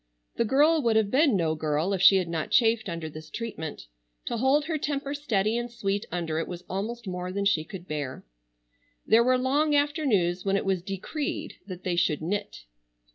The girl would have been no girl if she had not chafed under this treatment. To hold her temper steady and sweet under it was almost more than she could bear. There were long afternoons when it was decreed that they should knit.